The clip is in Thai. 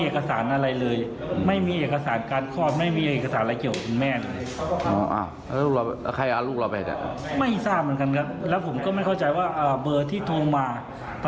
คืออยากเจอหน้าลูกมากไม่รู้ว่าลูกจะเป็นยังไงมาก